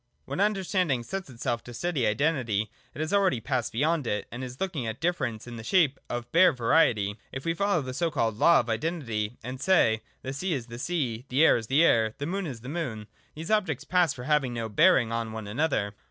When understanding sets itself to study Identity, it has already passed beyond it, and is looking at Difference in the shape of bare Variety. If we follow the so called law of Identity, and say, — The sea is the sea. The air is the air, The moon is the moon, these objects pass for having no bearing on one another.